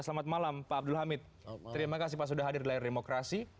selamat malam pak abdul hamid terima kasih pak sudah hadir di layar demokrasi